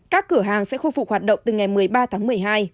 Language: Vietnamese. các cửa hàng sẽ khôi phục hoạt động từ ngày một mươi ba tháng một mươi hai